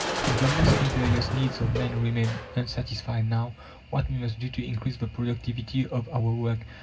If the most imperious needs of man remain unsatisfied now, What must we do to increase the productivity of our work?